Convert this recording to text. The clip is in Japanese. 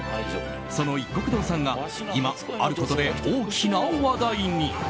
そのいっこく堂さんが今、あることで大きな話題に。